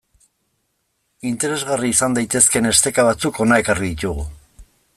Interesgarri izan daitezkeen esteka batzuk hona ekarri ditugu.